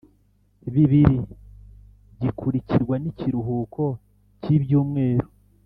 Bibiri gikurikirwa n ikiruhuko cy ibyumweru